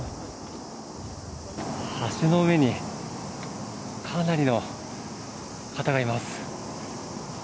橋の上にかなりの方がいます。